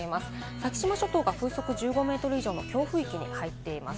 先島諸島を風速１５メートル以上の強風域に入っています。